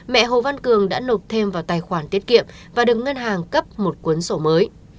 mẹ hồ văn cường đã nộp thêm vào tài khoản tiết kiệm và được ngân hàng cấp một cuốn sổ mới